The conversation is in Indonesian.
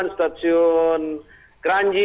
ada di stasiun kranji